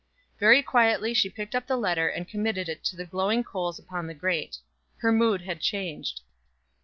Very quietly she picked up the letter and committed it to the glowing coals upon the grate. Her mood had changed.